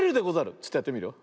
ちょっとやってみるよ。